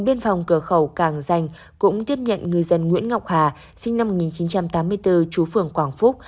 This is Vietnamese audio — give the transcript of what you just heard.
biên phòng cửa khẩu càng dành cũng tiếp nhận ngư dân nguyễn ngọc hà sinh năm một nghìn chín trăm tám mươi bốn chú phường quảng phúc